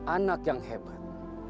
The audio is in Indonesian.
anak yang hebat